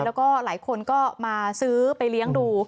แล้วก็หลายคนก็มาซื้อไปเลี้ยงดู